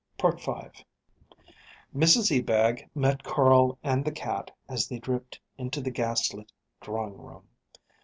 V Mrs Ebag met Carl and the cat as they dripped into the gas lit drawing room.